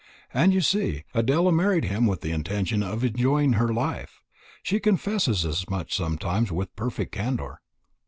And, you see, Adela married him with the intention of enjoying her life. She confesses as much sometimes with perfect candour."